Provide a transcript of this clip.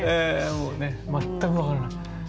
もうね全く分からない。